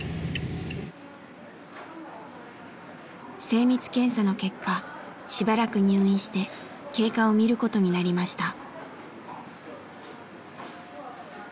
精密検査の結果しばらく入院して経過を見ることになりました。